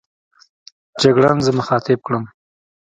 جګړن زه مخاطب کړم.